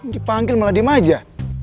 dipanggil malah diem aja